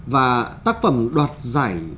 và tác phẩm đoạt giải